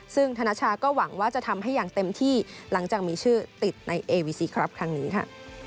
ซึ่งธนชาก็หวังว่าจะทำให้อย่างเต็มที่หลังจากมีชื่อติดในเอวีซีครับครั้งนี้ค่ะ